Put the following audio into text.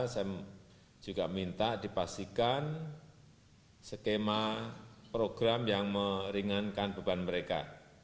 saya juga minta dipastikan skema program yang meringankan beban mereka